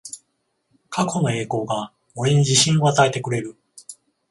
過去の栄光が俺に自信を与えてくれる